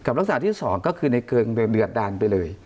กับลักษณะที่สองก็คือในเกิงเรือดดานไปเลย